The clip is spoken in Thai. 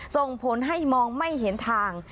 ส่งผลให้มองไม่เห็นทาง